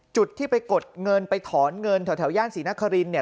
จุดที่ไปกดเงินไปถอนเงินแถวย่านศรีนครินเนี่ย